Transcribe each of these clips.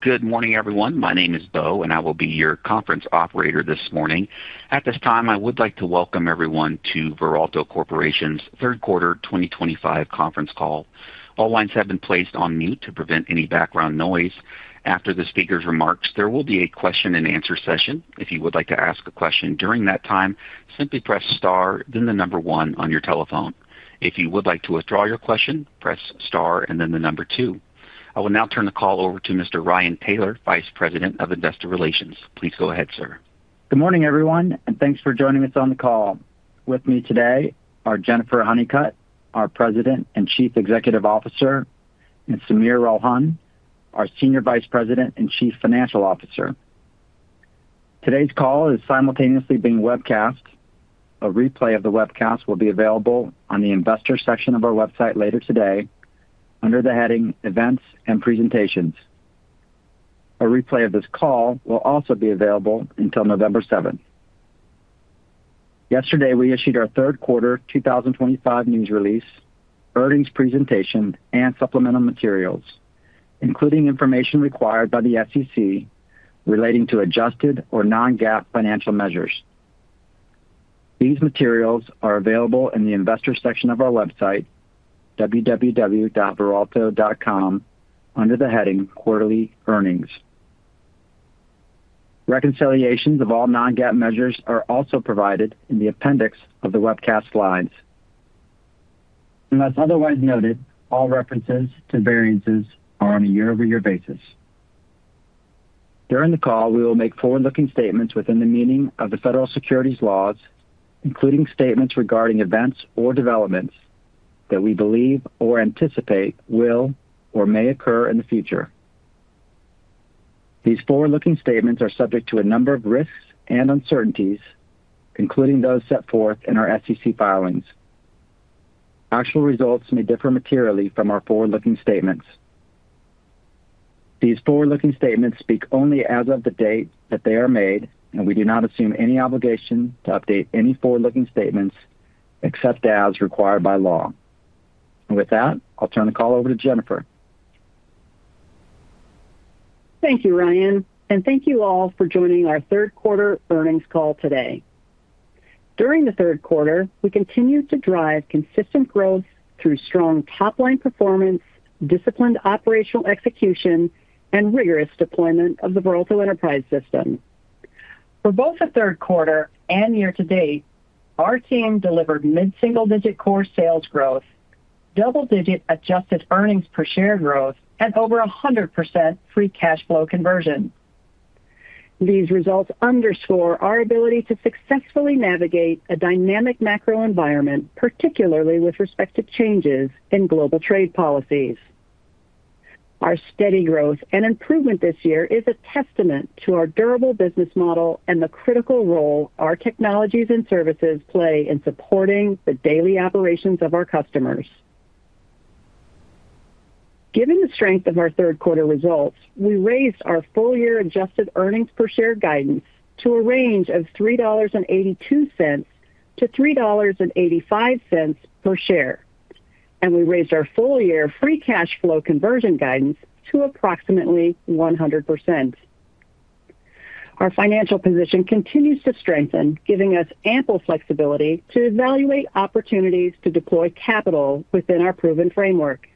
Good morning everyone. My name is Bo and I will be your conference operator this morning. At this time I would like to welcome everyone to Veralto Corporation's Third Quarter 2025 conference call. All lines have been placed on mute to prevent any background noise. After the speaker's remarks, there will be a question and answer session. If you would like to ask a question during that time, simply press star then the number one on your telephone. If you would like to withdraw your question, press star and then the number two. I will now turn the call over to Mr. Ryan Taylor, Vice President of Investor Relations. Please go ahead sir. Good morning everyone and thanks for joining us on the call. With me today are Jennifer Honeycutt, our President and Chief Executive Officer, and Sameer Ralhan, our Senior Vice President and Chief Financial Officer. Today's call is simultaneously being webcast. A replay of the webcast will be available on the Investors section of our website later today under the heading Events and Presentations. A replay of this call will also be available until November 7. Yesterday we issued our third quarter 2025 news release, earnings presentation, and supplemental materials including information required by the SEC relating to adjusted or non-GAAP financial measures. These materials are available in the Investors section of our website www.veralto.com under the heading Quarterly Earnings. Reconciliations of all non-GAAP measures are also provided in the appendix of the webcast slides. Unless otherwise noted, all references to variances are on a year-over-year basis. During the call we will make forward-looking statements within the meaning of the federal securities laws, including statements regarding events or developments that we believe or anticipate will or may occur in the future. These forward-looking statements are subject to a number of risks and uncertainties including those set forth in our SEC filings. Actual results may differ materially from our forward-looking statements. These forward-looking statements speak only as of the date that they are made and we do not assume any obligation to update any forward-looking statements except as required by law. With that, I'll turn the call over to Jennifer. Thank you, Ryan, and thank you all for joining our third quarter earnings call today. During the third quarter, we continue to drive consistent growth through strong top line performance, disciplined operational execution, and rigorous deployment of the Veralto Enterprise System. For both the third quarter and year to date, our team delivered mid single digit core sales growth, double digit adjusted EPS growth, and over 100% free cash flow conversion. These results underscore our ability to successfully navigate a dynamic macro environment, particularly with respect to changes in global trade policies. Our steady growth and improvement this year is a testament to our durable business model and the critical role our technologies and services play in supporting the daily operations of our customers. Given the strength of our third quarter results, we raised our full year Adjusted earnings per share guidance to a range of $3.82 - $3.85 per share, and we raised our full year free cash flow conversion guidance to approximately 100%. Our financial position continues to strengthen, giving us ample flexibility to evaluate opportunities to deploy capital within our proven framework.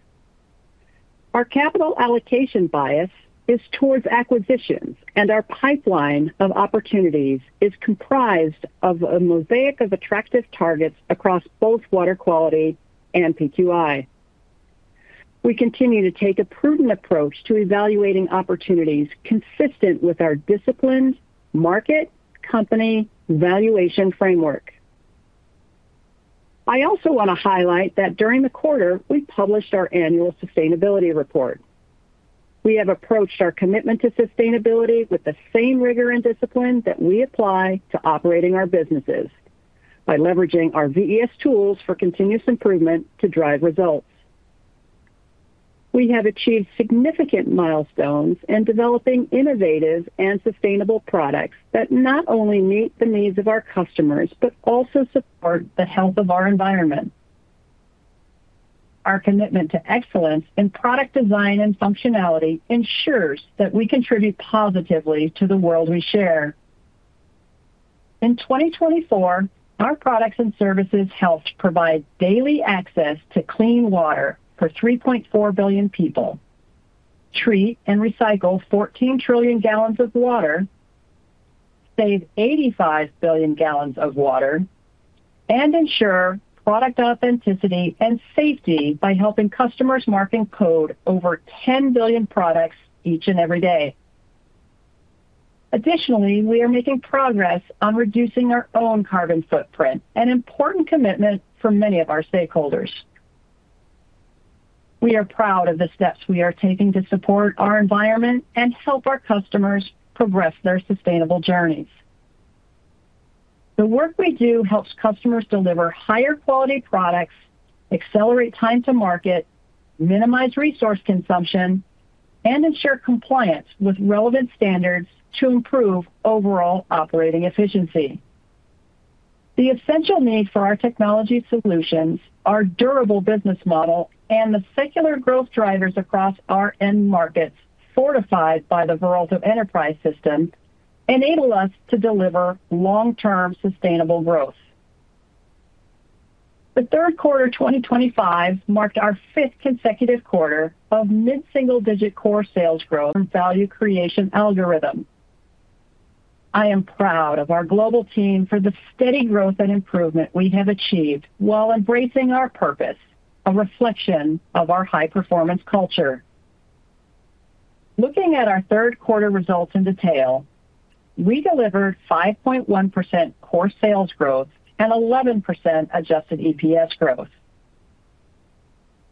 Our capital allocation bias is towards acquisitions, and our pipeline of opportunities is comprised of a mosaic of attractive targets Water Quality and product quality and innovation. We continue to take a prudent approach to evaluating opportunities consistent with our disciplined market company valuation framework. I also want to highlight that during the quarter, we published our annual sustainability report. We have approached our commitment to sustainability with the same rigor and discipline that we apply to operating our businesses. By leveraging our VES tools for continuous improvement to drive results, we have achieved significant milestones in developing innovative and sustainable products that not only meet the needs of our customers but also support the health of our environment. Our commitment to excellence in product design and functionality ensures that we contribute positively to the world we share. In 2024, our products and services helped provide daily access to clean water for 3.4 billion people, treat and recycle 14 trillion gal of water, save 85 billion gal of water, and ensure product authenticity and safety by helping customers mark and code over 10 billion products each and every day. Additionally, we are making progress on reducing our own carbon footprint, an important commitment for many of our stakeholders. We are proud of the steps we are taking to support our environment and help our customers progress their sustainable journeys. The work we do helps customers deliver higher quality products, accelerate time to market, minimize resource consumption, and ensure compliance with relevant standards to improve overall operating efficiency. The essential need for our technology solutions, our durable business model, and the secular growth drivers across our end markets fortified by the Veralto Enterprise System enable us to deliver long term sustainable growth. The third quarter 2025 marked our fifth consecutive quarter of mid single digit core sales growth and value creation algorithm. I am proud of our global team for the steady growth and improvement we have achieved while embracing our purpose, a reflection of our high performance culture. Looking at our third quarter results in detail, we delivered 5.1% core sales growth and 11% Adjusted EPS growth.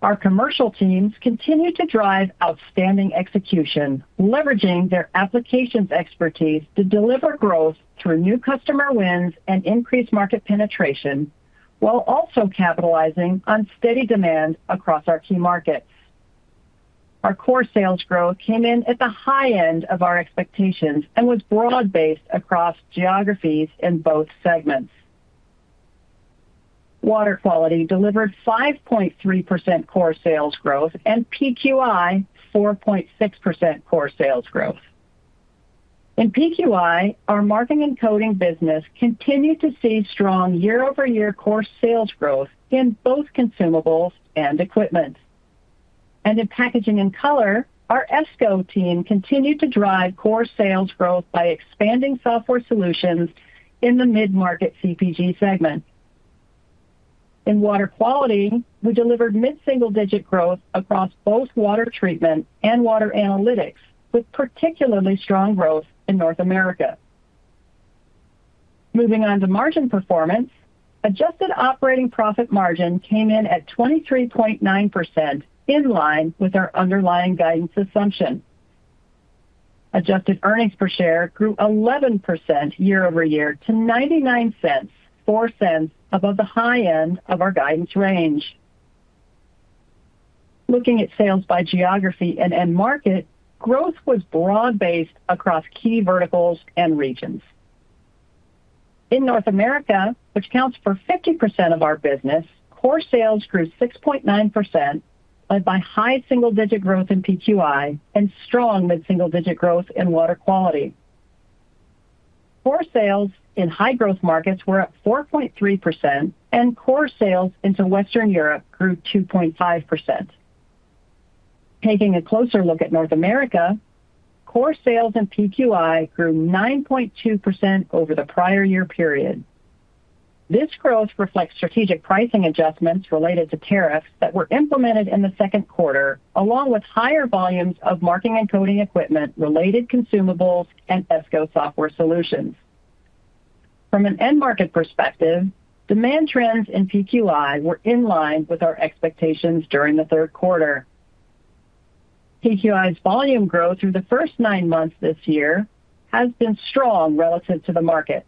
Our commercial teams continue to drive outstanding execution, leveraging their applications expertise to deliver growth through new customer wins and increased market penetration while also capitalizing on steady demand across our key markets. Our core sales growth came in at the high end of our expectations and was broad based across geographies. In both segments, Water Quality delivered 5.3% core sales growth and PQI 4.6% core sales growth in PQI. Our marking and coding business continued to see strong year-over-year core sales growth in both consumables and equipment and in packaging and color. Our Esko team continued to drive core sales growth by expanding software solutions in the mid market CPG segment. In Water Quality, we delivered mid single digit growth across both water treatment and water analytics with particularly strong growth in North America. Moving on to margin performance, adjusted operating profit margin came in at 23.9% in line with our underlying guidance assumption. Adjusted EPS grew 11% year-over-year to $0.99, $0.04 above the high end of our guidance range. Looking at sales by geography and end market, growth was broad based across key verticals and regions. In North America, which accounts for 50% of our business, core sales grew 6.9% led by high single digit growth in PQI and strong mid single digit growth in Water Quality. Core sales in high growth markets were up 4.3% and core sales into Western Europe grew 2.5%. Taking a closer look at North America, core sales in PQI grew 9.2% over the prior year period. This growth reflects strategic pricing adjustments related to tariffs that were implemented in the second quarter, along with higher volumes of marking and coding equipment-related consumables and Esko software solutions. From an end market perspective, demand trends in PQI were in line with our expectations during the third quarter. PQI's volume growth through the first nine months this year has been strong relative to the market.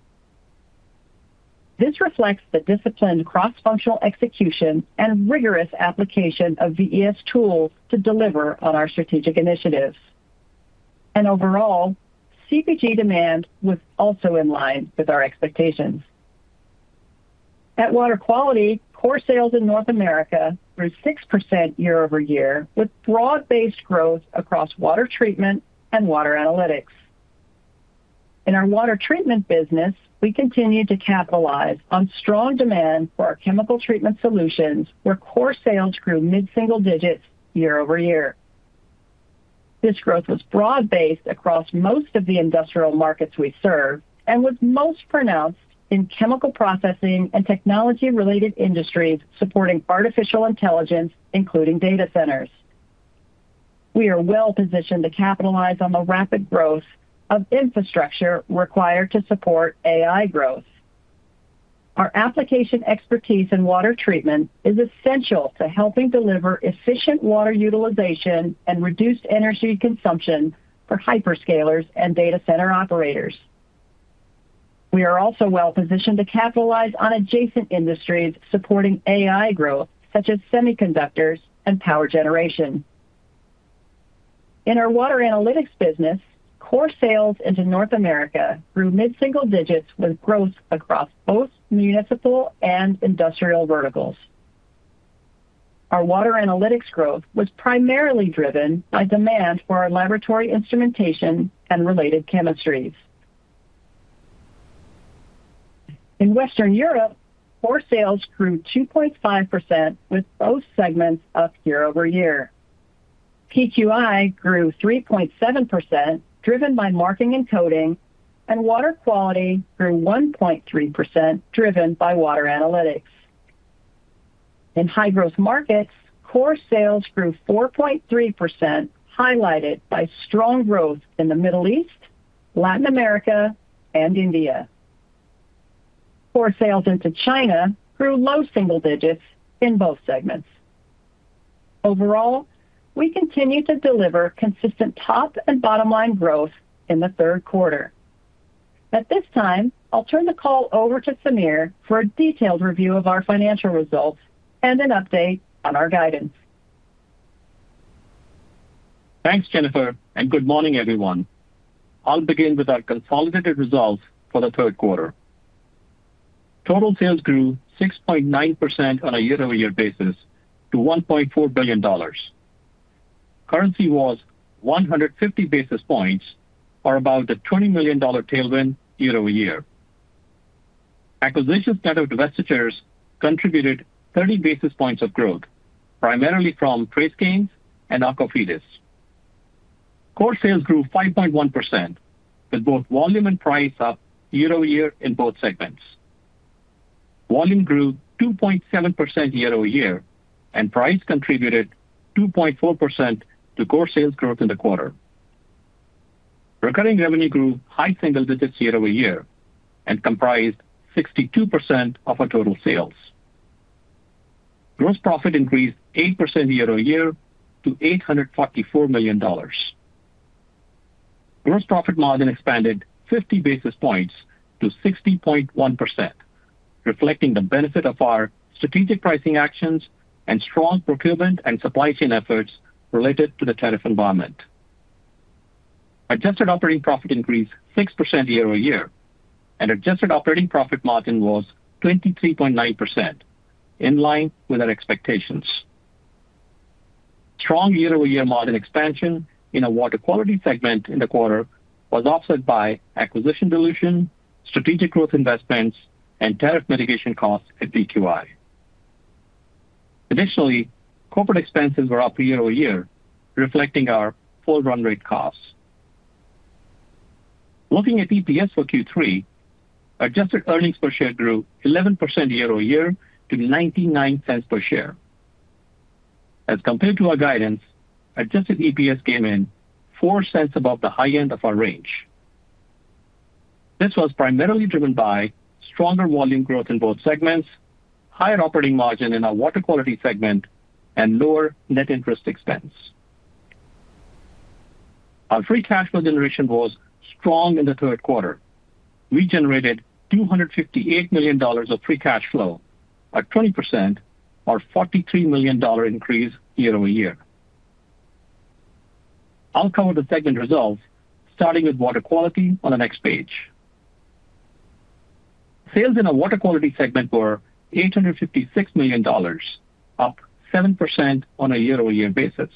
This reflects the disciplined cross-functional execution and rigorous application of VES tools to deliver on our strategic initiatives, and overall CPG demand was also in line with our expectations at Water Quality. Core sales in North America grew 6% year-over-year with broad-based growth across water treatment and water analytics. In our water treatment business, we continued to capitalize on strong demand for our chemical treatment solutions, where core sales grew mid-single digits year-over-year. This growth was broad-based across most of the industrial markets we serve and was most pronounced in chemical processing and technology-related industries supporting artificial intelligence including data centers. We are well positioned to capitalize on the rapid growth of infrastructure required to support AI growth. Our application expertise in water treatment is essential to helping deliver efficient water utilization and reduced energy consumption for hyperscalers and data center operators. We are also well positioned to capitalize on adjacent industries supporting AI growth such as semiconductors and power generation. In our water analytics business, core sales into North America grew mid-single digits with growth across both municipal and industrial verticals. Our water analytics growth was primarily driven by demand for our laboratory instrumentation and related chemistries. In Western Europe, core sales grew 2.5% with both segments up year-over-year. PQI grew 3.7% driven by marking and coding, and Water Quality grew 1.3% driven by water analytics. In high growth markets, core sales grew 4.3% highlighted by strong growth in the Middle East, Latin America, and India. Core sales into China grew low single digits in both segments. Overall, we continue to deliver consistent top and bottom line growth in the third quarter. At this time, I'll turn the call over to Sameer for a detailed review of our financial results and an update on our guidance. Thanks Jennifer and good morning everyone. I'll begin with our consolidated results for the third quarter. Total sales grew 6.9% on a year-over-year basis to $1.4 billion. Currency was 150 basis points or about the $20 million year-over-year. acquisition and standard divestitures contributed 30 basis points of growth, primarily from TraceGains and AQUAFIDES. Core sales grew 5.1% with both volume and price up year-over-year in both segments. Volume grew 2.7% year-over-year and price contributed 2.4% to core sales growth in the quarter. Recurring revenue grew high single digits year-over-year and comprised 62% of our total sales. Gross profit increased 8% year on year to $844 million. Gross profit margin expanded 50 basis points to 60.1%, reflecting the benefit of our strategic pricing actions and strong procurement and supply chain efforts related to the tariff environment. Adjusted operating profit increased 6% year-over-year and adjusted operating profit margin was 23.9%, in line with our expectations. Strong year-over-year margin expansion in our Water Quality segment in the quarter was offset by acquisition dilution, strategic growth investments, and tariff mitigation costs at PQI. Additionally, corporate expenses were up year-over-year, reflecting our full run rate costs. Looking at EPS for Q3, adjusted earnings per share grew 11% year-over-year to $0.99 per share as compared to our guidance. Adjusted EPS came in $0.04 above the high end of our range. This was primarily driven by stronger volume growth in both segments, higher operating margin in our Water Quality segment, and lower net interest expense. Our free cash flow generation was strong. In the third quarter, we generated $258 million of free cash flow, a 20% or $43 million increase year-over-year. I'll cover the segment result starting with Water Quality on the next page. Sales in our Water Quality segment were $856 million, up 7% on a year-over-year basis.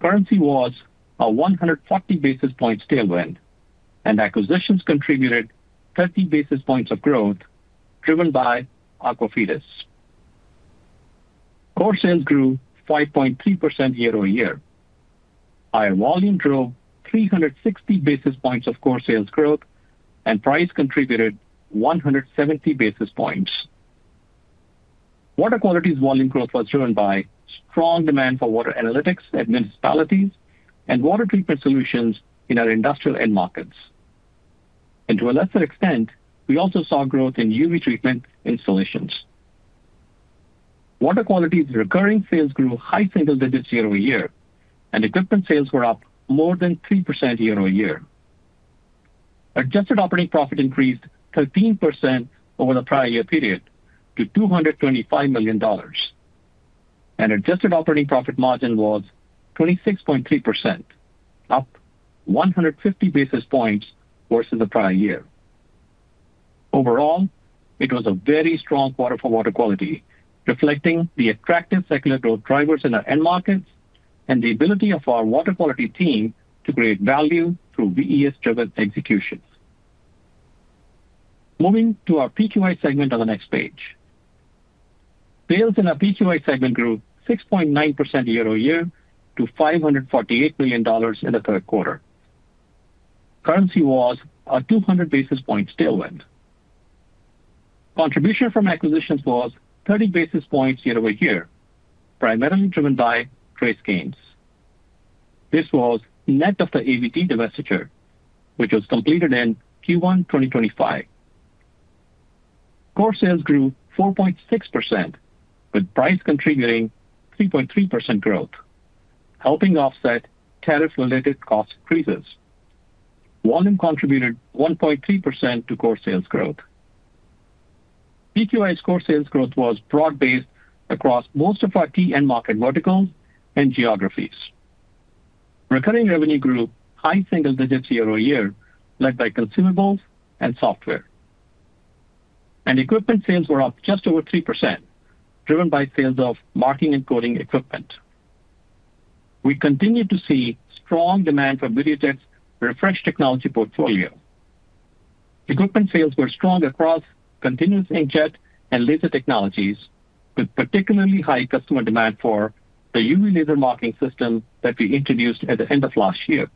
Currency was a 140 basis points tailwind and acquisitions contributed 30 basis points of growth, driven by AQUAFIDES. Core sales grew 5.3% year-over-year. Higher volume drove 360 basis points of core sales growth and price contributed 170 basis points. Water Quality's volume growth was driven by strong demand for water analytics at municipalities and water treatment solutions in our industrial end markets, and to a lesser extent, we also saw growth in UV treatment installations. Water Quality's recurring sales grew high single digits year-over-year and equipment sales were up more than 3% year-over-year. Adjusted operating profit increased 13% over the prior year period to $225 million and adjusted operating profit margin was 26.3%, up 150 basis points versus the prior year. Overall, it was a very strong quarter for Water Quality, reflecting the attractive secular growth drivers in our end markets and the ability of our Water Quality team to create value through VES driven execution. Moving to our PQI segment on the next page, sales in our PQI segment grew 6.9% year-over-year to $548 million in the third quarter. Currency was a 200 basis point tailwind. Contribution from acquisitions was 30 basis points year-over-year, primarily driven by TraceGains. This was net of the AVT divestiture which was completed in Q1 2025. Core sales grew 4.6% with price contributing 3.3% growth, helping offset tariff related cost increases. Volume contributed 1.3% to core sales growth. PQI core sales growth was broad based across most of our key end market verticals and geographies. Recurring revenue grew high single digits year-over-year led by consumables and software, and equipment sales were up just over 3% driven by sales of marking and coding equipment. We continue to see strong demand for Videojet's refreshed technology portfolio. Equipment sales were strong across continuous inkjet and laser technologies with particularly high customer demand for the UV marking system that we introduced at the end of last year.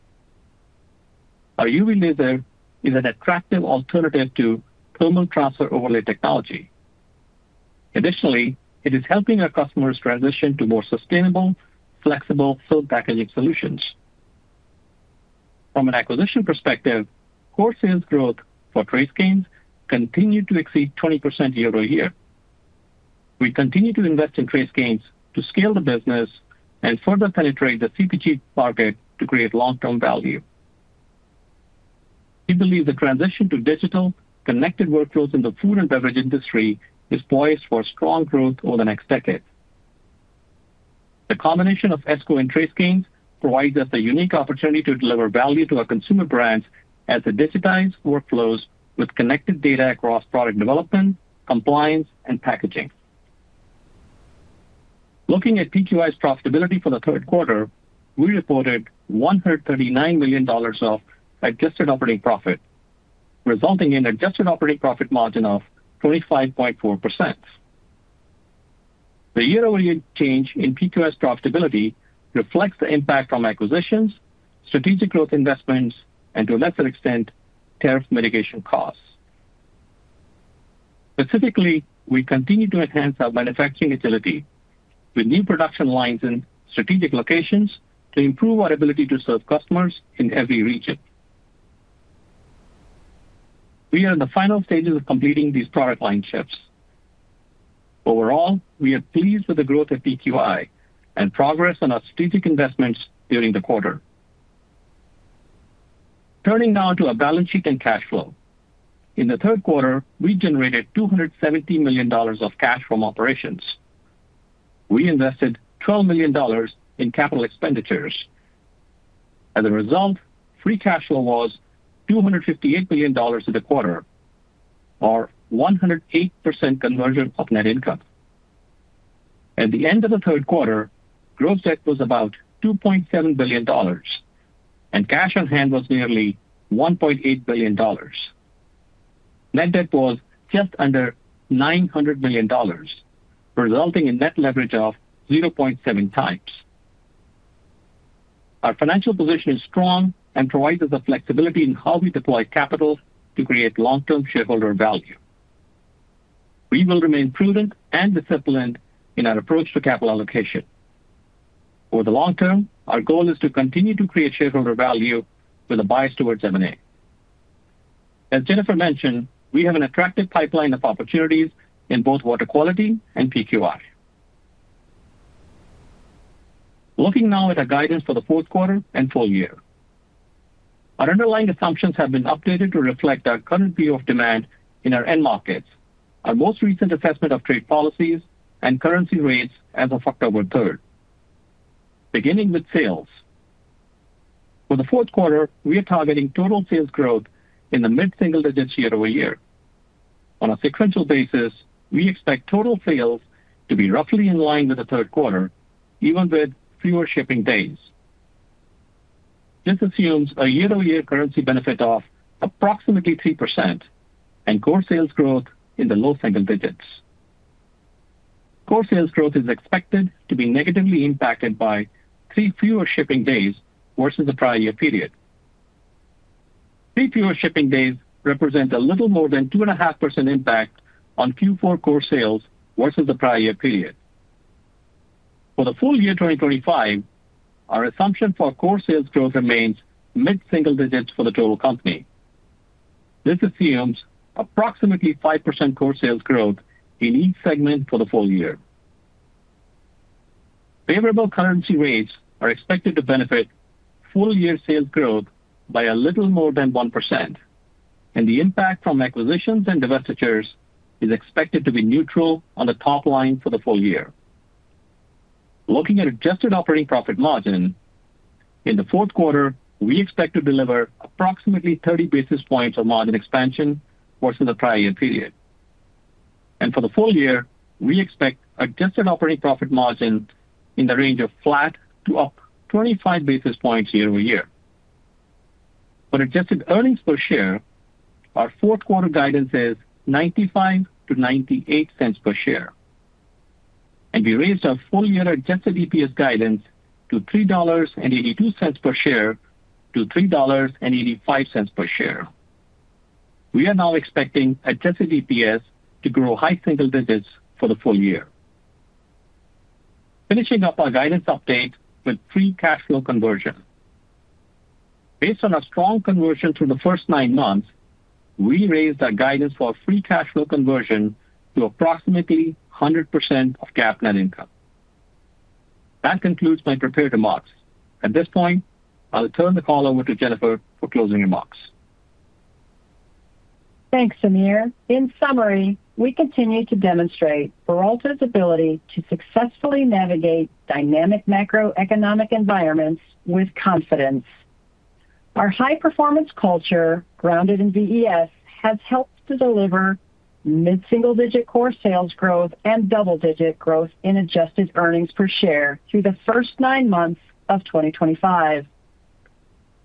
Our UV laser is an attractive alternative to thermal transfer overlay technology. Additionally, it is helping our customers transition to more sustainable flexible film packaging solutions. From an acquisition perspective, core sales growth for TraceGains continued to exceed 20% year-over-year. We continue to invest in TraceGains to scale the business and further penetrate the CPG market to create long term value. We believe the transition to digital connected workflows in the food and beverage industry is poised for strong growth over the next decade. The combination of Esko and TraceGains provides us a unique opportunity to deliver value to our consumer brands as they digitize workflows with connected data across product development, compliance, and packaging. Looking at PQI's profitability for the third quarter, we reported $139 million of adjusted operating profit, resulting in adjusted operating profit margin of 25.4% year-over-year. Change in PQI's profitability reflects the impact from acquisitions, strategic growth investments, and to a lesser extent, tariff mitigation costs. Specifically, we continue to enhance our manufacturing agility with new production lines in strategic locations to improve our ability to serve customers in every region. We are in the final stages of completing these product line shifts. Overall, we are pleased with the growth of PQI and progress on our strategic investments during the quarter. Turning now to our balance sheet and cash flow, in the third quarter we generated $270 million of cash from operations. We invested $12 million in capital expenditures. As a result, free cash flow was $258 million in the quarter, or 108% conversion of net income at the end of the third quarter. Gross debt was about $2.7 billion and cash on hand was nearly $1.8 billion. Net debt was just under $900 million, resulting in net leverage of 0.7 times. Our financial position is strong and provides us flexibility in how we deploy capital to create long-term shareholder value. We will remain prudent and disciplined in our approach to capital allocation over the long term. Our goal is to continue to create shareholder value with a bias towards M&A. As Jennifer mentioned, we have an attractive pipeline of opportunities in both Water Quality and PQI. Looking now at our guidance for the fourth quarter and full year, our underlying assumptions have been updated to reflect our current view of demand in our end markets and our most recent assessment of trade policies and currency rates as of October 3rd. Beginning with sales for the fourth quarter, we are targeting total sales growth in the mid-single digits year-over-year. On a sequential basis, we expect total sales to be roughly in line with the third quarter even with fewer shipping days. This assumes a year-over-year currency benefit of approximately 3% and core sales growth in the low single digits. Core sales growth is expected to be negatively impacted by 3 fewer shipping days versus the prior year period. Three fewer shipping days represent a little more than 2.5% impact on Q4 core sales versus the prior year period. For the full year 2025, our assumption for core sales growth remains mid-single digits for the total company. This assumes approximately 5% core sales growth in each segment for the full year. Favorable currency rates are expected to benefit full year sales growth by a little more than 1%, and the impact from acquisitions and divestitures is expected to be neutral on the top line for the full year. Looking at adjusted operating profit margin in the fourth quarter, we expect to deliver approximately 30 basis points of margin expansion versus the prior year period. For the full year, we expect adjusted operating profit margin in the range of flat to up 25 basis points year-over-year. For adjusted earnings per share, our fourth quarter guidance is $0.95 - $0.98 per share, and we raised our full year Adjusted EPS guidance to $3.82 per share to $3.85 per share. We are now expecting Adjusted EPS to grow high single digits for the full year. Finishing up our guidance update with free cash flow conversion, based on our strong conversion through the first nine months, we raised our guidance for free cash flow conversion to approximately 100% of GAAP net income. That concludes my prepared remarks. At this point, I'll turn the call over to Jennifer for closing remarks. Thanks Sameer. In summary, we continue to demonstrate Veralto's ability to successfully navigate dynamic macroeconomic environments with confidence. Our high performance culture grounded in VES has helped to deliver mid single digit core sales growth and double digit growth in adjusted EPS through the first nine months of 2025.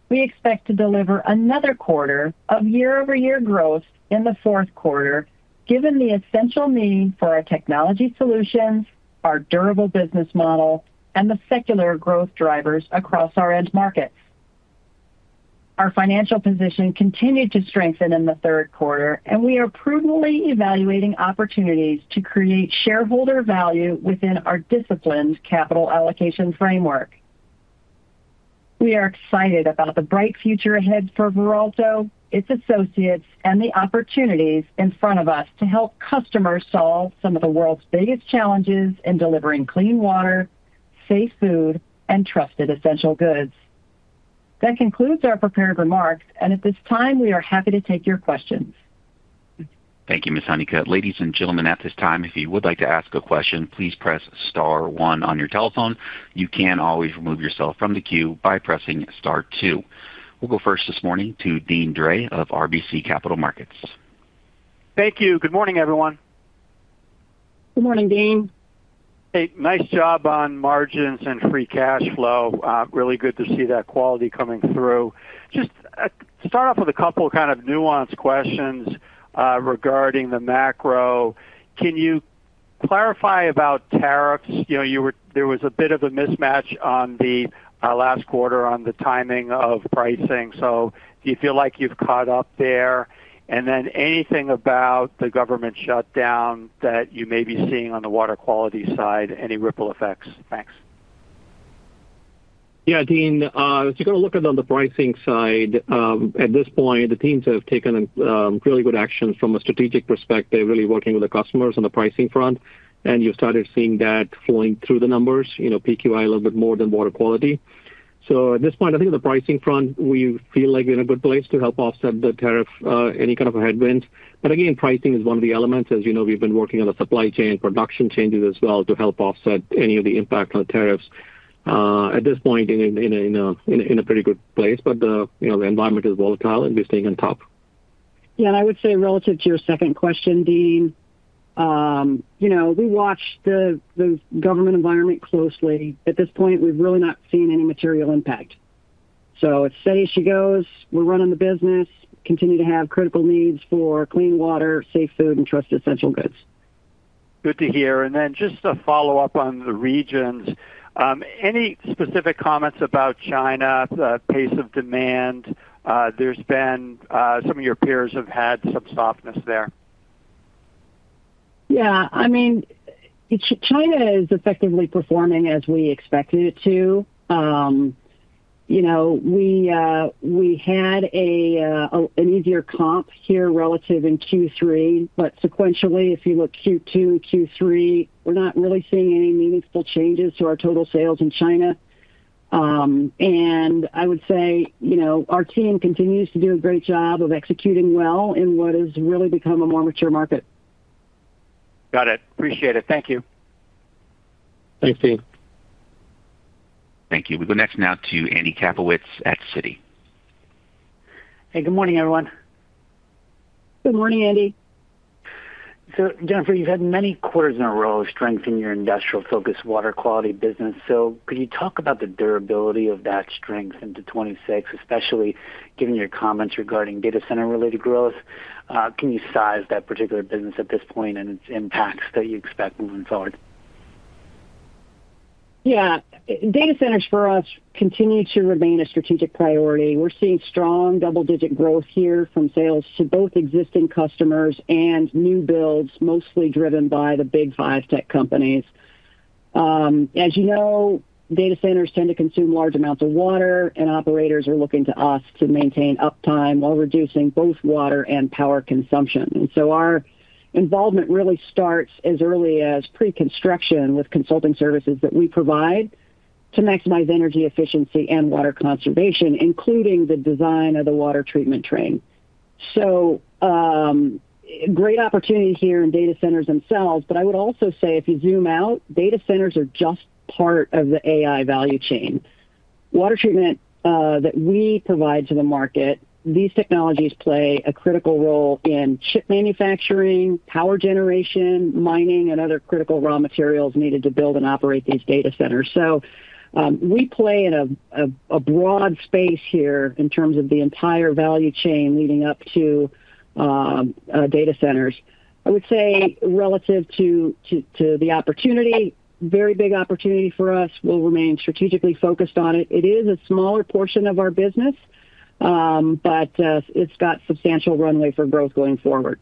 We expect to deliver another quarter of year-over-year growth in the fourth quarter, given the essential need for our technology solutions, our durable business model, and the secular growth drivers across our end markets. Our financial position continued to strengthen in the third quarter, and we are prudently evaluating opportunities to create shareholder value within our disciplined capital allocation framework. We are excited about the bright future ahead for Veralto, its associates, and the opportunities in front of us to help customers solve some of the world's biggest challenges in delivering clean water, safe food, and trusted essential goods. That concludes our prepared remarks and at this time we are happy to take your questions. Thank you, Ms. Honeycutt. Ladies and gentlemen, at this time if you would like to ask a question, please press Star one on your telephone. You can always remove yourself from the queue by pressing Star two. We'll go first this morning to Deane Dray of RBC Capital Markets. Thank you. Good morning, everyone. Good morning, Deane. Nice job on margins and free cash flow. Really good to see that quality coming through. Just start off with a couple kind of nuanced questions regarding the macro. Can you clarify about tariffs? You know, there was a bit of a mismatch on the last quarter on the timing of pricing. Do you feel like you've caught up there, and then anything about the government shutdown that you may be seeing on the Water Quality side? Any ripple effects? Thanks. Yeah, Deane, you got to look at on the pricing side at this point, the teams have taken really good actions from a strategic perspective, really working with the customers on the pricing front, and you started seeing that flowing through the numbers. You know, PQI a little bit more than Water Quality. At this point, I think the pricing front, we feel like we're in a good place to help offset the tariff, any kind of headwinds. Pricing is one of the elements. As you know, we've been working on the supply chain production changes as well to help offset any of the impact on tariffs. At this point, in a pretty good place. The environment is volatile, and we're staying on top. Yeah. I would say relative to your second question, Dean, you know we watch the government environment closely. At this point we've really not seen any material impact. It's safe. She goes, we're running the business. Continue to have critical needs for clean water, safe food, and trusted essential goods. Good to hear. Just a follow up on the regions. Any specific comments about China pace of demand? Some of your peers have had some softness there. Yeah, I mean China is effectively performing as we expected it to. We had an easier comp here relative in Q3, but sequentially if you look Q2, Q3, we're not really seeing any meaningful changes to our total sales in China. I would say our team continues to do a great job of executing well in what has really become a more mature market. Got it. Appreciate it. Thank you. Thank you. Thank you. We go next now to Andy Kaplowitz at Citi. Hey, good morning everyone. Good morning, Andy. Jennifer, you've had many quarters in. A row of strength in your industrial. Focus Water Quality business. Could you talk about the durability of that strength into 2026, especially given. Your comments regarding data center related growth. Can you size that particular business at this point and its impacts that you expect moving forward? Yeah. Data centers for us continue to remain a strategic priority. We're seeing strong double digit growth here from sales to both existing customers and new builds, mostly driven by the big five tech companies. As you know, data centers tend to consume large amounts of water, and operators are looking to us to maintain uptime while reducing both water and power consumption. Our involvement really starts as early as pre-construction with consulting services that we provide to maximize energy efficiency and water conservation, including the design of the water treatment train. Great opportunity here in data centers themselves. I would also say if you zoom out, data centers are just part of the AI value chain water treatment that we provide to the market. These technologies play a critical role in chip manufacturing, power generation, mining, and other critical raw materials needed to build and operate these data centers. We play in a broad space here in terms of the entire value chain leading up to data centers. I would say relative to the opportunity, very big opportunity for us, we'll remain strategically focused on it. It is a smaller portion of our business, but it's got substantial runway for growth going forward.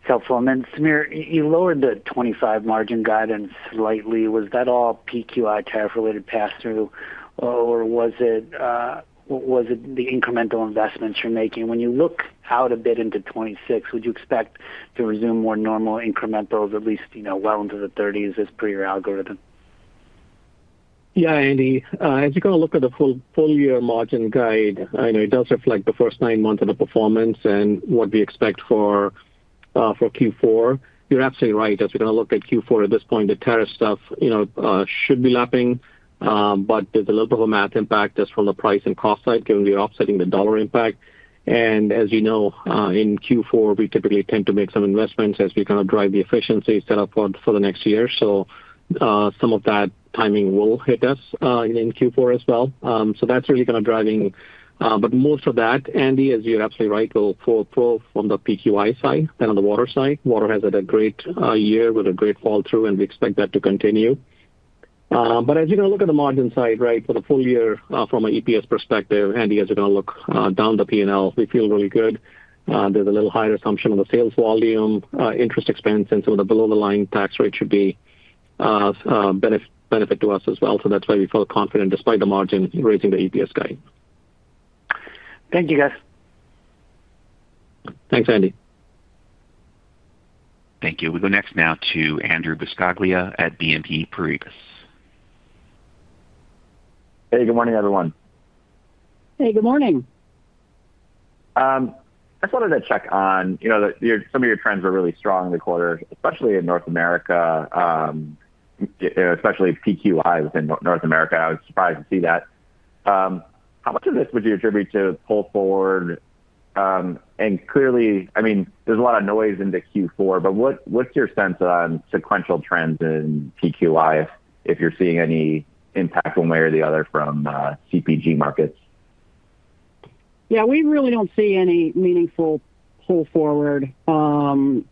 Helpful. Sameer, you lowered the 25% margin guidance slightly. Was that all PQI tariff-related pass-through, or was it the incremental investments you're making when you look out? Bit into 2026, would you expect to resume more normal incrementals at least well into the 30% as per your algorithm? Yeah Andy, as you go look at the full year margin guide, I know it does reflect the first nine months of the performance and what we expect for Q4. You're absolutely right. As we're going to look at Q4 at this point the tariff stuff should be lapping, but there's a little bit of a math impact just from the price and cost side given the offsetting the dollar impact. As you know in Q4 we typically tend to make some investments as we kind of drive the efficiency set up for the next year. Some of that timing will hit us in Q4 as well. That's really kind of driving. Most of that Andy, as you're absolutely right, will fall from the PQI side. On the water side, Water has had a great year with a great fall through and we expect that to continue. As you can look at the margin side for the full year from an EPS perspective, Andy, as you're going to look down the P&L we feel really good. There's a little higher assumption of the sales volume, interest expense and some of the below the line tax rate should be benefit to us as well. That's why we felt confident despite the margin raising the EPS guide. Thank you, guys. Thanks, Andy. Thank you. We go next now to Andrew Buscaglia at BNP Paribas. Hey, good morning everyone. Hey, good morning. I just wanted to check on, you know, some of your trends were really strong in the quarter, especially in North America, especially PQI within North America. I was surprised to see that. How much of this would you attribute to pull forward? Clearly, I mean there's a lot of noise into Q4, but what's your sense on sequential trends in PQI if you're seeing any impact one way or the other from CPG markets? Yeah, we really don't see any meaningful pull forward.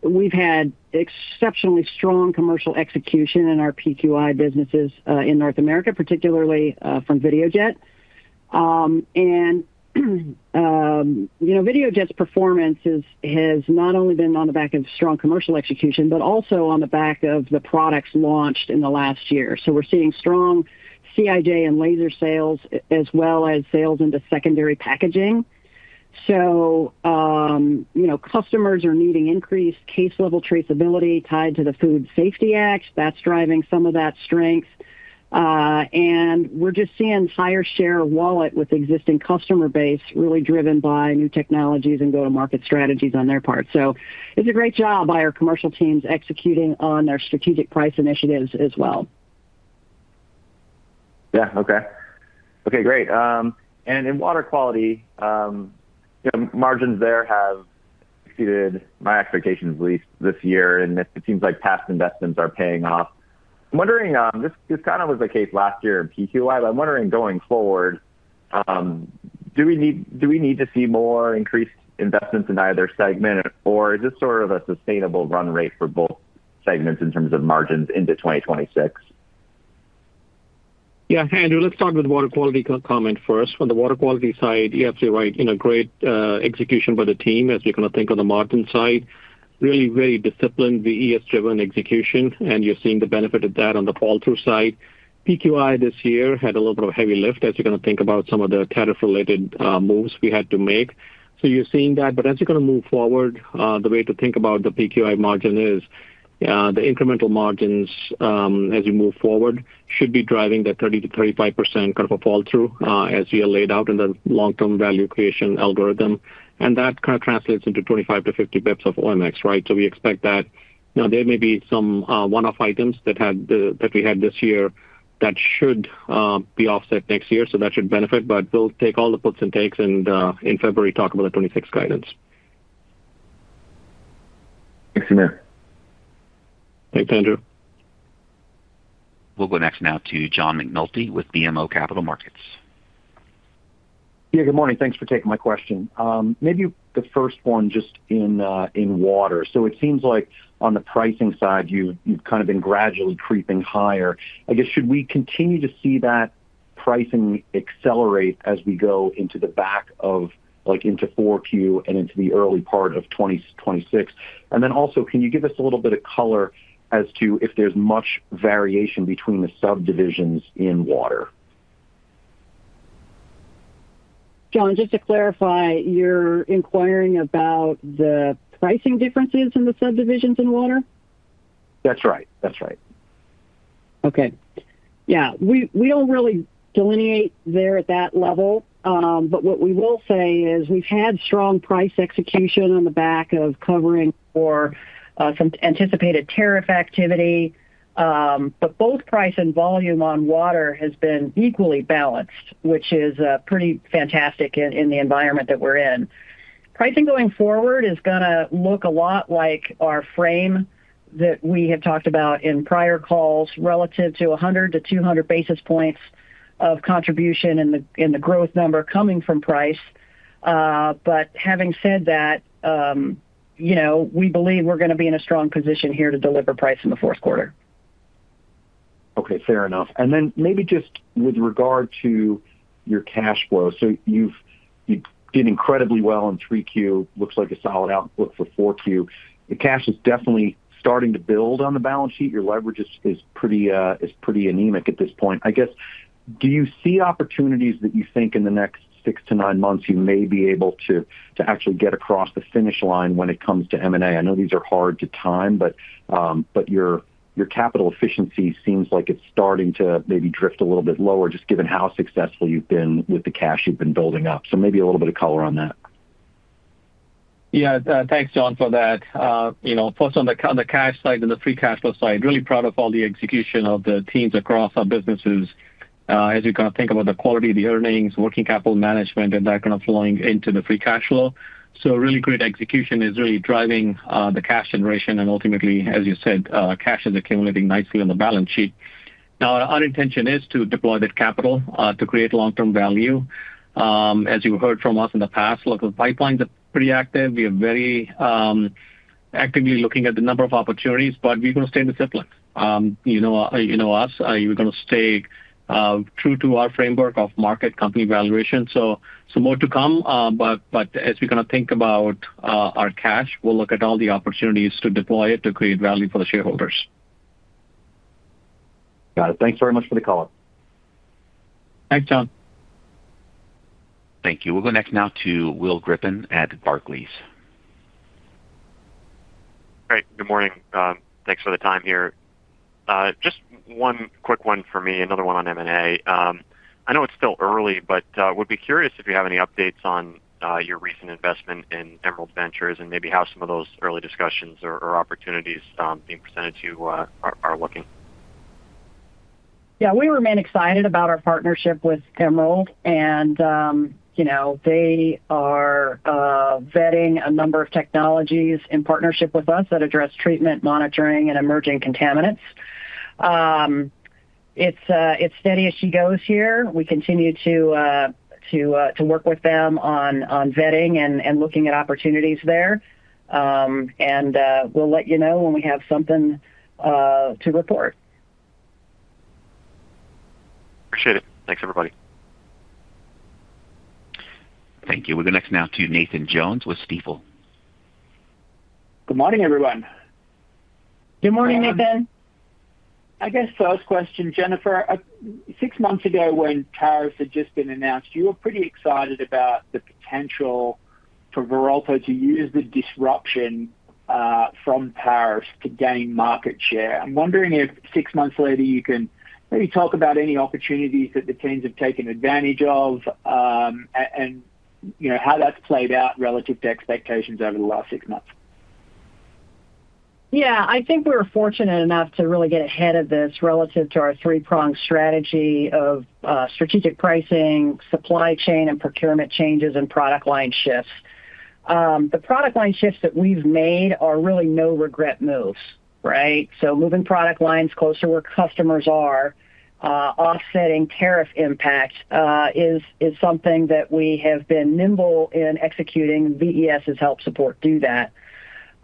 We've had exceptionally strong commercial execution in our PQI businesses in North America, particularly from Videojet. You know, Videojet's performance has not only been on the back of strong commercial execution but also on the back of the products launched in the last year. We're seeing strong CIJ and laser sales as well as sales into secondary packaging. Customers are needing increased case level traceability tied to the Food Safety Act that's driving some of that strength. We're just seeing higher share of wallet with existing customer base really driven by new technologies and go to market strategies on their part. It's a great job by our commercial teams executing on their strategic price initiatives as well. Yeah, okay. Okay, great. In Water Quality, margins there have exceeded my expectations at least this year, and it seems like past investments are paying off. I'm wondering, this kind of was the case last year in PQI, but I'm wondering going forward, do we need to see more increased investments in either segment, or is this sort of a sustainable run rate for both segments in terms of margins into 2026? Yeah. Andrew, let's talk with the Water Quality comment first. On the Water Quality side, you have to write in a great execution by the team as we kind of think of the margin side, really very disciplined, versus driven execution, and you're seeing the benefit of that on the call-through side. PQI this year had a little bit of heavy lift as you think about some of the tariff-related moves we had to make. You're seeing that. As you move forward, the way to think about the PQI margin is the incremental margins as you move forward should be driving that 30% - 35% fall-through as you laid out in the long-term value creation algorithm. That translates into 25 - 50 bps of OMICS. We expect that. There may be some one-off items that we had this year that should be offset next year. That should benefit. We'll take all the puts and takes and in February talk about the 2026 guidance. Thanks, Sameer. Thanks, Andrew. We'll go next now to John McNulty with BMO Capital Markets. Yeah, good morning. Thanks for taking my question. Maybe the first one just in water. It seems like on the pricing side you've kind of been gradually creeping higher, I guess. Should we continue to see that pricing accelerate as we go into the back of the, like into 4Q and into the early part of 2026? Also, can you give us a little bit of color as to if there's much variation between the subdivisions in water? John, just to clarify, you're inquiring about the pricing differences in the subdivisions in water? That's right, that's right. Okay. Yeah, we don't really delineate there at that level, but what we will say is we've had strong price execution on the back of covering or some anticipated tariff activity. Both price and volume on water have been equally balanced, which is pretty fantastic in the environment that we're in. Pricing going forward is going to look a lot like our frame that we have talked about in prior calls relative to 100 - 200 basis points contribution in the growth number coming from price. Having said that, you know we believe we're going to be in a strong position here to deliver price in the fourth quarter. Okay, fair enough. Maybe just with regard to your cash flow. You've been incredibly well in 3Q. Looks like a solid outlook for 4Q. The cash is definitely starting to build on the balance sheet. Your leverage is pretty anemic at this point, I guess. Do you see opportunities that you think in the next six to nine months you may be able to actually get across the finish line when it comes to M&A? I know these are hard to time, but your capital efficiency seems like it's starting to maybe drift a little bit lower just given how successful you've been with the cash you've been building up. Maybe a little bit of color on that. Yeah, thanks John for that. First, on the cash side and the free cash flow side, really proud of all the execution of the teams across our businesses as you can think about the quality of the earnings, working capital management, and that kind of flowing into the free cash flow. Really great execution is really driving the cash generation. Ultimately, as you said, cash is accumulating nicely on the balance sheet. Our intention is to deploy that capital to create long term value. As you heard from us in the past, local pipelines are pretty active. We are very actively looking at a number of opportunities, but we will stay in the SIP line. You know us, you're going to stay true to our framework of market company valuation. More to come. As we kind of think about our cash, we'll look at all the opportunities to deploy it to create value for the shareholders. Got it. Thanks very much for the call. Thanks, John. Thank you. We'll go next now to Will Grippin at Barclays. Good morning. Thanks for the time here. Just one quick one for me, another one on M&A. I know it's still early, but would be curious if you have any updates on your recent investment in Emerald Ventures and maybe how some of those early discussions or opportunities being presented to you are looking. Yeah, we remain excited about our partnership with Emerald, and they are vetting a number of technologies in partnership with us that address treatment, monitoring, and emerging contaminants. It's steady as she goes here. We continue to work with them on vetting and looking at opportunities there, and we'll let you know when we have something to report. Appreciate it. Thanks, everybody. Thank you. We'll go next now to Nathan Jones with Stifel. Good morning, everyone. Good morning, Nathan. I guess first question, Jennifer, six months ago when tariffs had just been announced. You were pretty excited about the potential for Veralto to use the disruption from tariffs to gain market share. I'm wondering if six months later you can maybe talk about any opportunities that the teams have taken advantage of. How that's played out relative to expectations. Over the last six months. Yeah, I think we're fortunate enough to really get ahead of this relative to our three-pronged strategy of strategic pricing, supply chain and procurement changes, and product line shifts. The product line shifts that we've made are really no-regret moves. Right. Moving product lines closer where customers are offsetting tariff impact is something that we have been nimble in executing. VES has helped support do that.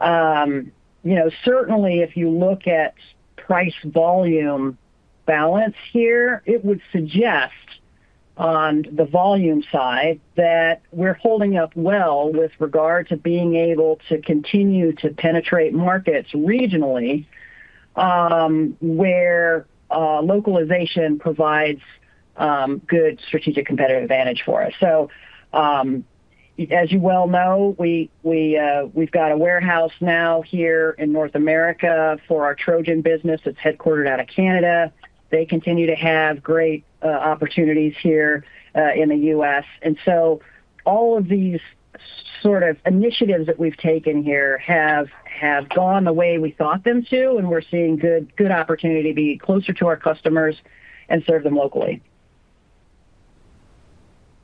Certainly, if you look at price-volume balance here, it would suggest on the volume side that we're holding up well with regard to being able to continue to penetrate markets regionally where localization provides good strategic competitive advantage for us. As you well know, we've got a warehouse now here in North America for our Trojan business that's headquartered out of Canada. They continue to have great opportunities here in the U.S., and all of these initiatives that we've taken here have gone the way we thought them to, and we're seeing good opportunity to be closer to our customers and serve them locally.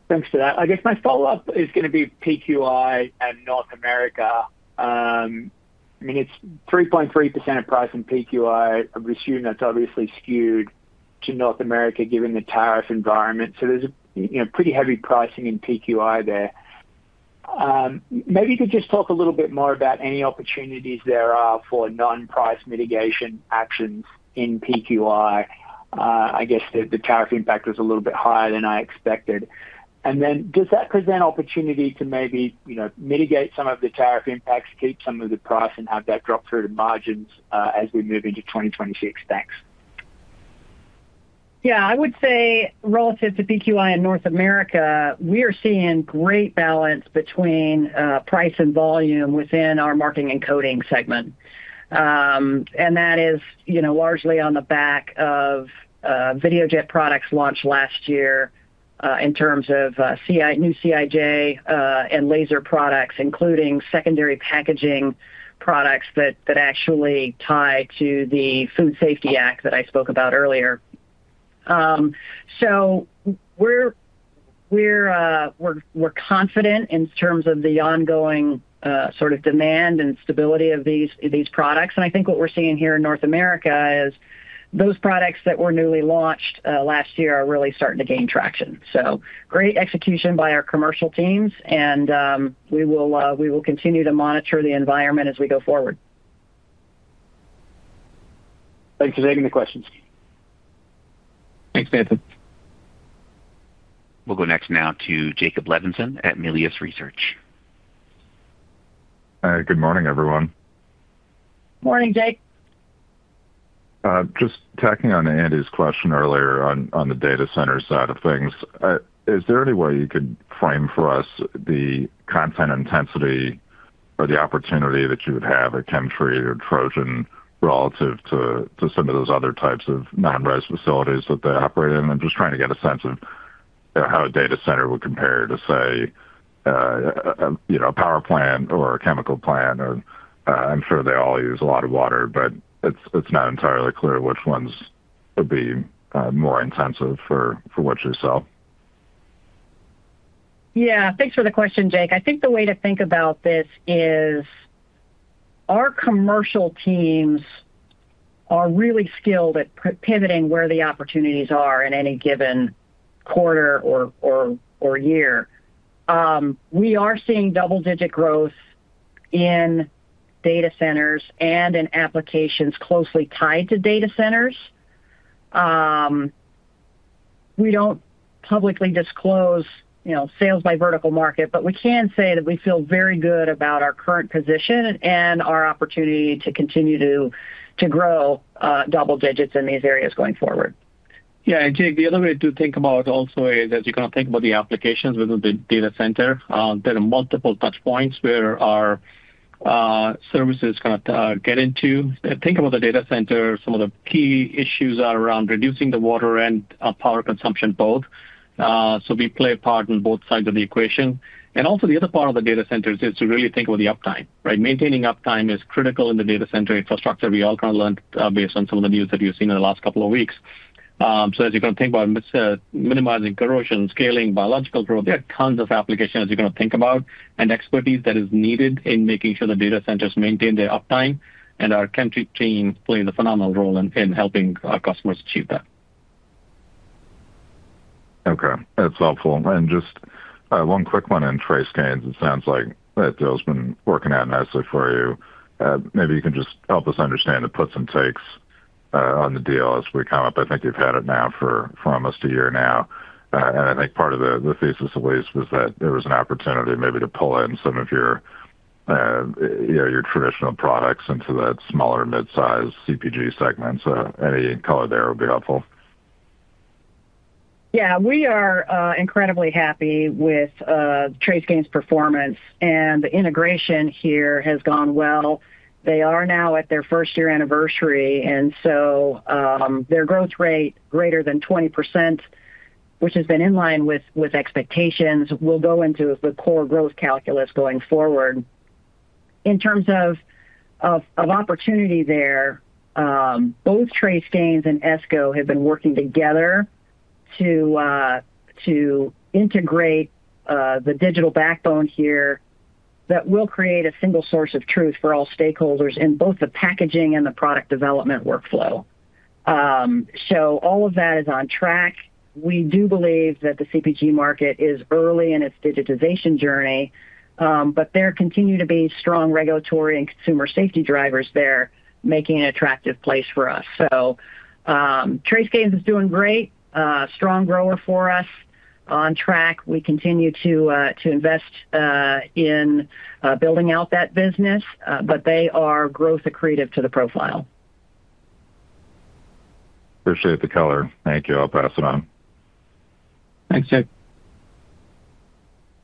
Thanks for that. I guess my follow up is going to be PQI and North America. I mean it's 3.3% of price in PQI. I presume that's obviously skewed to North America given the tariff environment. There's pretty heavy pricing in PQI there. Maybe you could just talk a little. Bit more about any opportunities there are for non-price mitigation actions in PQI. I guess the tariff impact was a little bit higher than I expected. Does that present opportunity to? Maybe mitigate some of the tariff impacts, keep some of the price, and have that drop through to margins as we move into 2026. Thanks. Yeah, I would say relative to PQI in North America, we are seeing great balance between price and volume within our marking and coding segment, and that is largely on the back of Videojet products launched last year in terms of new CIJ and laser products, including secondary packaging products that actually tie to the Food Safety Act that I spoke about earlier. We are confident in terms of the ongoing sort of demand and stability of these products. I think what we're seeing here in North America is those products that were newly launched last year are really starting to gain traction. Great execution by our commercial teams, and we will continue to monitor the environment as we go forward. Thanks for taking the questions. Thanks, Nathan. We'll go next now to Jacob Levinson at Melius Research. Good morning, everyone. Morning Jake. Just tacking on Andy's question earlier. On the data center side of things, is there any way you could frame for us the content intensity or the opportunity that you would have at ChemTreat or Trojan relative to some of those other types of non-res facilities that they operate in? I'm just trying to get a sense of how a data center would compare to, say, you know, a power plant or a chemical plant. I'm sure they all use a lot of water, but it's not entirely clear which ones would be more intensive for what you sell. Yeah, thanks for the question, Jake. I think the way to think about this is our commercial teams are really skilled at pivoting where the opportunities are in any given quarter or year. We are seeing double-digit growth in data centers and in applications closely tied to data centers. We don't publicly disclose sales by vertical market, but we can say that we feel very good about our current position and our opportunity to continue to grow double digits in these areas going forward. Yeah, Jake, the other way to think about it also is as you can think about the applications within the data center. There are multiple touch points where our services kind of get into thinking about the data center. Some of the key issues are around reducing the water and power consumption both. We play a part in both sides of the equation. The other part of the data centers is to really think with the uptime. Right. Maintaining uptime is critical in the data center infrastructure. We all kind of learned based on some of the news that you've seen in the last couple of weeks. You can think about minimizing corrosion, scaling, biological growth. There are tons of applications you are going to think about and expertise that is needed in making sure the data centers maintain their uptime. Our country team plays a phenomenal role in helping our customers achieve that. Okay, that's helpful. Just one quick one. In TraceGains, it sounds like that deal has been working out nicely for you. Maybe you can just help us understand the puts and takes on the deal as we come up. I think you've had it now for almost a year now and I think part of the thesis at least was that there was an opportunity maybe to pull in some of your traditional products into that smaller mid size CPG segments. Any color there would be helpful. Yeah, we are incredibly happy with TraceGains' performance and the integration here has gone well. They are now at their first year anniversary and so their growth rate greater than 20% which has been in line with expectations, will go into the core growth calculus going forward. In terms of opportunity there, both TraceGains and Esko have been working together to integrate the digital backbone here that will create a single source of truth for all stakeholders in both the packaging and the product development workflow. All of that is on track. We do believe that the CPG market is early in its digitization journey but there continue to be strong regulatory and consumer safety drivers there making an attractive place for us. TraceGains is doing great, strong grower for us on track. We continue to invest in building out that business but they are growth accretive to the profile. Appreciate the color. Thank you. I'll pass it on. Thanks, Jake.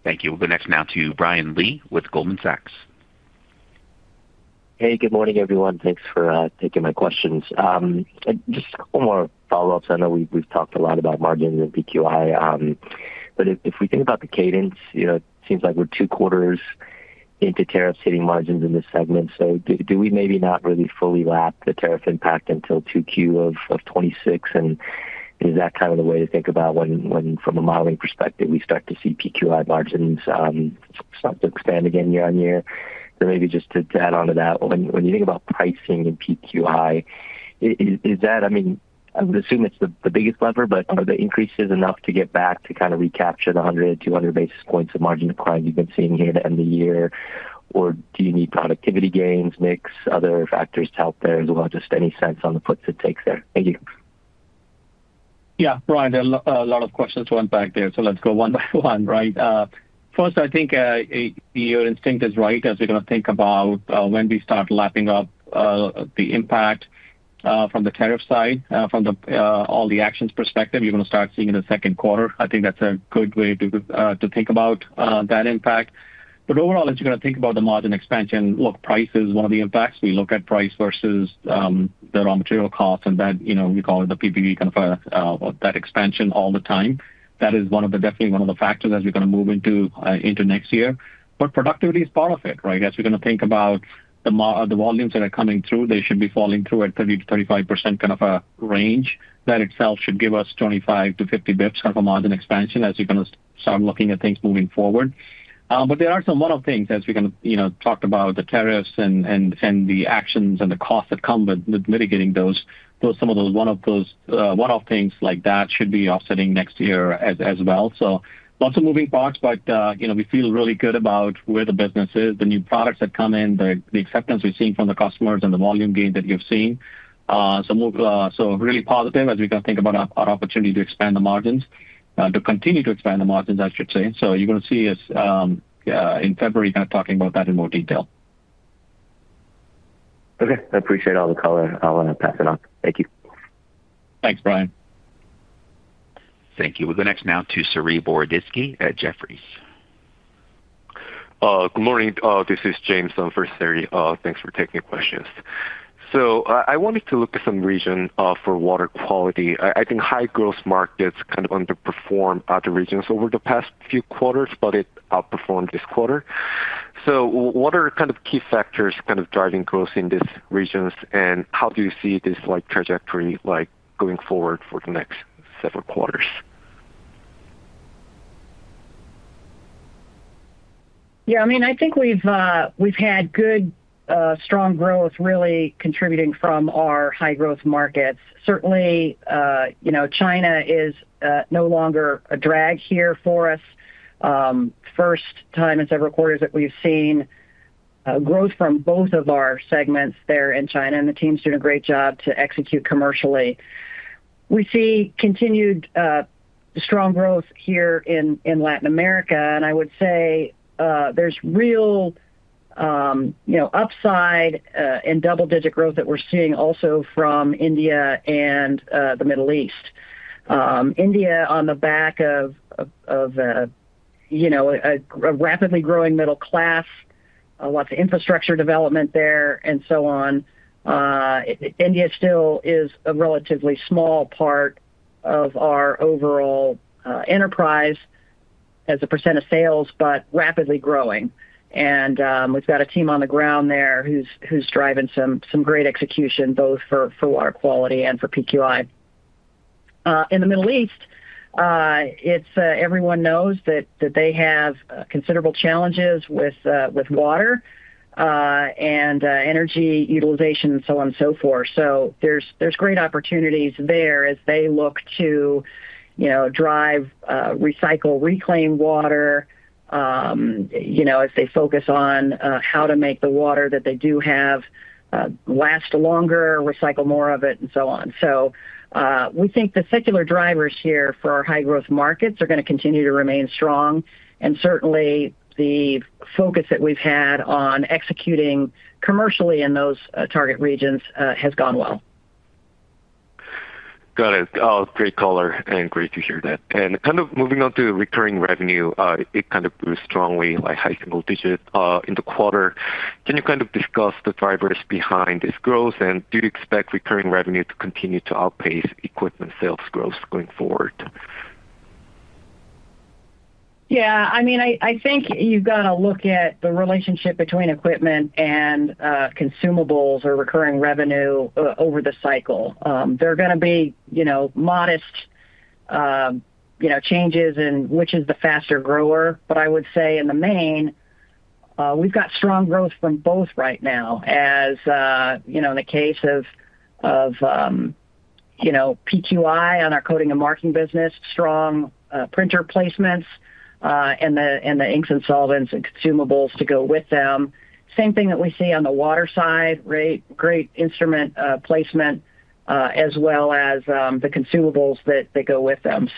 Thank you. We'll go next now to Brian Lee with Goldman Sachs. Hey, good morning everyone. Thanks for taking my questions. Just a couple more follow ups. I know we've talked a lot about margins and PQI, but if we think about the cadence, it seems like we're two quarters into tariffs hitting margins in this segment. Do we maybe not really fully lap the tariff impact until the second quarter of 2026, and is that kind of the way to think about when, from a modeling perspective, we start to see PQI margins start to expand again year on year? Maybe just to add on to that, when you think about pricing and PQI, is that, I mean, I would assume it's the biggest lever. Are the increases enough to get back to kind of recapture the 100, 200 basis points of margin decline you've. Been seeing here to end the year. Do you need productivity gains, mix, or other factors to help there as well? Just any sense on the puts and takes there. You. Yeah, right. A lot of questions went back there. Let's go one by one. First, I think your instinct is right. As we're going to think about when we start lapping up the impact from the tariff side from all the actions perspective, you're going to start seeing in the second quarter. I think that's a good way to think about that impact. Overall, it's going to think about the margin expansion. Look, price is one of the impacts. We look at price versus the raw material costs and that, you know, we call it the PPE kind of that expansion all the time. That is definitely one of the factors as we're going to move into next year. Productivity is part of it. As we're going to think about the volumes that are coming through, they should be falling through at 30% - 35% kind of a range. That itself should give us 25 bps - 50 bps of a margin expansion as you can start looking at things moving forward. There are some one-off things as we talked about, the tariffs and the actions and the costs that come with mitigating those. Some of those one-off things like that should be offsetting next year as well. Lots of moving parts, but you know we feel really good about where the business is, the new products that come in, the acceptance we've seen from the customers, and the volume gain that you've seen. Really positive as we can think about our opportunity to expand the margins, to continue to expand the margins. I should say you're going to see us in February talking about that in more detail. Okay. I appreciate all the color. I'll pass it on. Thank you. Thanks, Brian. Thank you. We'll go next now to Saree Boroditsky at Jefferies. Good morning. This is James on for Saree. Thanks for taking questions. I wanted to look at some region for Water Quality. I think high-growth markets kind of underperform other regions over the past few quarters, but it outperformed this quarter. What are key factors driving growth in these regions and how do you see this trajectory going forward for the next several quarters? Yeah, I mean I think we've had good, strong growth really contributing from our high growth markets. Certainly, you know, China is no longer a drag here for us. First time in several quarters that we've seen growth from both of our segments there in China and the team's doing a great job to execute commercially. We see continued strong growth here in Latin America and I would say there's. Real. Upside and double-digit growth that we're seeing also from India and the Middle East. India, on the back of a rapidly growing middle class, lots of infrastructure development there and so on. India still is a relatively small part of our overall enterprise as a % of sales, but rapidly growing. We've got a team on the ground there who's driving some great execution both for Water Quality and for PQI in the Middle East. Everyone knows that they have considerable challenges with water and energy utilization and so on and so forth. There are great opportunities there as they look to drive, recycle, reclaim water as they focus on how to make the water that they do have last longer, recycle more of it and so on. We think the secular drivers here for our high-growth markets are going to continue to remain strong. Certainly, the focus that we've had on executing commercially in those target regions has gone well. Got it. Great color and great to hear that. Moving on to recurring revenue, it kind of grew strongly like high single digit in the quarter. Can you kind of discuss the drivers behind this growth, and do you expect recurring revenue to continue to outpace equipment sales growth going forward? Yeah, I mean, I think you've got to look at the relationship between equipment and consumables or recurring revenue over the cycle. There are going to be modest changes in which is the faster grower. I would say in the main we've got strong growth from both right now, as you know, in the case of PQI on our coating and marking business, strong printer placements and the inks and solvents and consumables to go with them. The same thing that we see on the water side, great instrument placement as well as the consumables that go with them.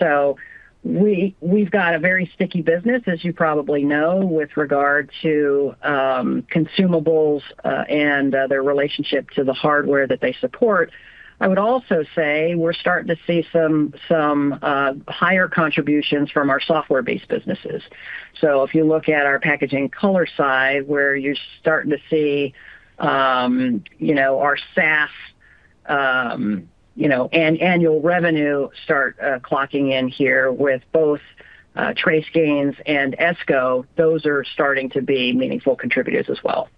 We've got a very sticky business, as you probably know, with regard to consumables and their relationship to the hardware that they support. I would also say we're starting to see some higher contributions from our software-based businesses. If you look at our packaging color side where you're starting to see our SaaS and annual revenue start clocking in here with both TraceGains and Esko, those are starting to be meaningful contributors as well.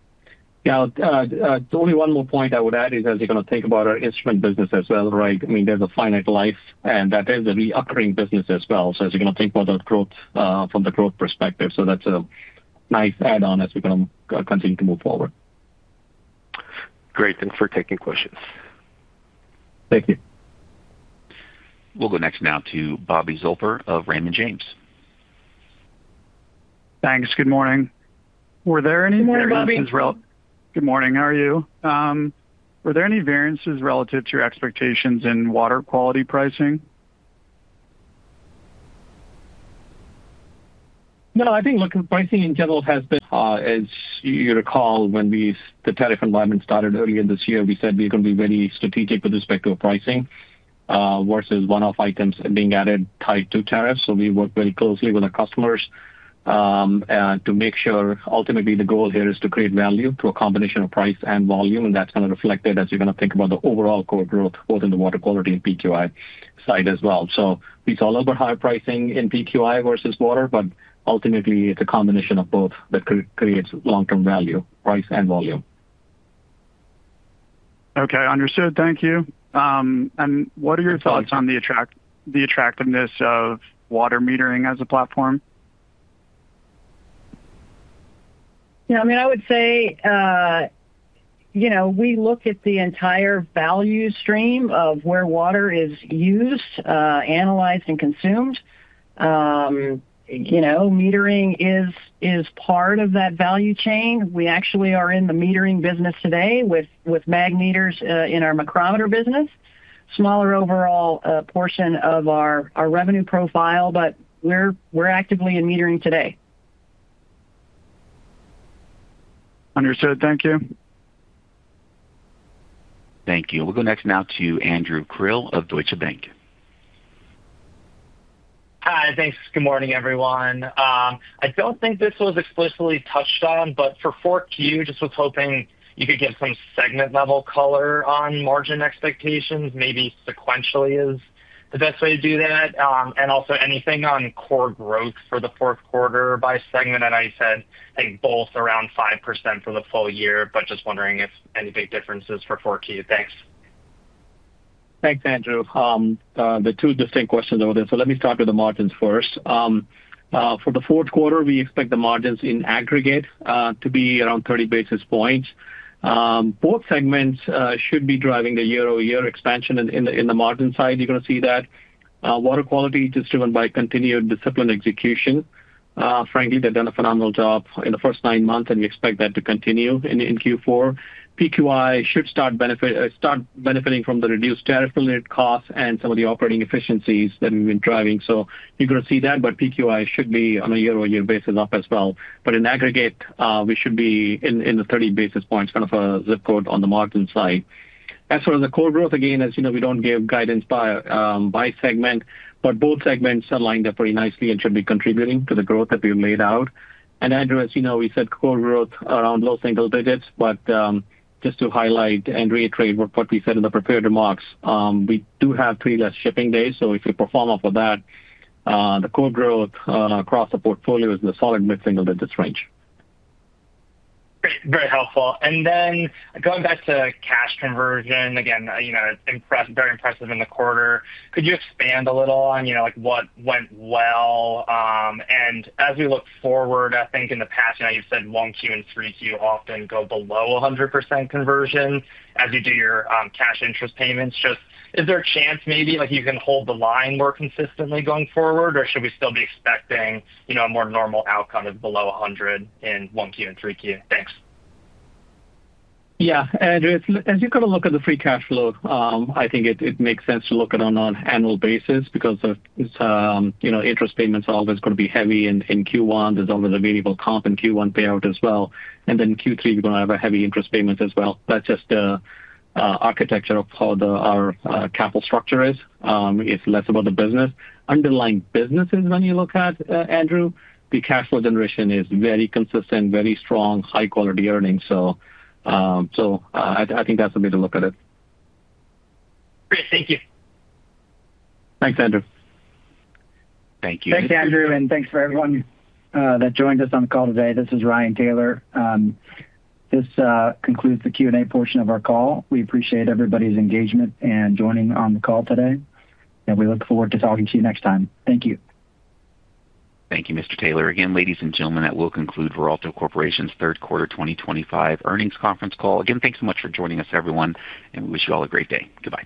Now the only one more point I would add is as you're going to think about our instrument business as well. I mean there's a finite life and that is a recurring business as well. As you're going to think about growth from the growth perspective, that's a nice add on as we're going to continue to move forward. Great. Thanks for taking questions. Thank you. We'll go next now to Bobby Zolper of Raymond James. Thanks. Good morning. Good Morning Bobby Were there any variances relative to your expectations in Water Quality pricing? No, I think, look, pricing in general has been, as you recall, when the tariff environment started earlier this year, we said we're going to be very strategic with respect to pricing versus one off items being added tied to tariffs. We work very closely with our customers to make sure ultimately the goal here is to create value to a combination of price and volume, and that's kind of reflected as you're going to think about the overall core growth both in the Water Quality and PQI side as well. We saw a little bit higher pricing in PQI versus water, but ultimately it's a combination of both that creates long term value, price and volume. Okay, understood, thank you. What are your thoughts on the attractiveness of water metering as a platform? Yeah, I mean, I would say we look at the entire value stream of where water is used, analyzed, and consumed. Metering is part of that value chain. We actually are in the metering business today with mag meters in our micrometer business. It is a smaller overall portion of our revenue profile, but we're actively in metering today. Understood, thank you. Thank you. We'll go next now to Andrew Krill of Deutsche Bank. Hi, thanks. Good morning everyone. I don't think this was explicitly touched on but for foreign 4th Q just was hoping you could give some segment level color on margin expectations, maybe sequentially is the best way to do that, and also anything on core growth for the fourth quarter by segment. I said both around 5% for the full year, just wondering if any big differences for 4Q. Thanks. Thanks Andrew. The two distinct questions over there. Let me start with the margins first. For the fourth quarter, we expect the margins in aggregate to be around 30 basis points. Both segments should be driving a year-over-year expansion. On the margin side, you're going to see that Water Quality, just driven by continued disciplined execution. Frankly, they've done a phenomenal job in the first nine months and we expect that to continue in Q4. PQI should start benefiting from the reduced tariff related costs and some of the operating efficiencies that they've been driving. You're going to see that. PQI should be on a year-over-year basis up as well. In aggregate, we should be in the 30 basis points kind of a zip code on the margin side. As far as the core growth, again, as you know, we don't give guidance by segment, but both segments lined up very nicely and should be contributing to the growth that we laid out. Andrew, as you know, we said core growth around low single digits, but just to highlight and reiterate what we said in the prepared remarks, we do have three less shipping days. If you perform up for that, the core growth across the portfolio is the solid mid single digits range. Very helpful. Going back to cash conversion again, you know, impressive, very impressive in the quarter. Could you expand a little on what went well and as we look forward, I think in the past you said 1Q and 3Q often go below 100% conversion as you do your cash interest payments. Is there a chance maybe you can hold the line more consistently going forward or should we still be expecting a more normal outcome of below 100 in 1Q and 3Q? Thanks. Yeah Andrew, as you got to look at the free cash flow, I think it makes sense to look at on an annual basis because you know interest payments are always going to be heavy in Q1. There's always a variable comp in Q1 payout as well. In Q3, you're going to have heavy interest payments as well. That's just the architecture of how our capital structure is. It's less about the underlying businesses. When you look at it, Andrew, the cash flow generation is very consistent, very strong, high quality earnings. I think that's the way to look at it. Thank you. Thanks, Andrew. Thank you. Thank you, Andrew. Thank you to everyone that joined us on the call today. This is Ryan Taylor. This concludes the Q and A portion of our call. We appreciate everybody's engagement and joining on the call today, and we look forward to talking to you next time. Thank you. Thank you, Mr. Taylor. Again, ladies and gentlemen, that will conclude Veralto Corporation's third quarter 2025 earnings conference call. Again, thanks so much for joining us, everyone, and we wish you all a great day. Goodbye.